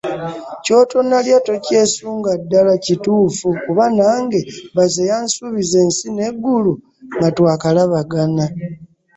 Ky'otonnalya, tokyesunga ddala kituufu kuba nange baze yansuubiza ensi n'eggulu nga twakalabagana.